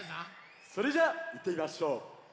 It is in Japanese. それじゃあいってみましょう。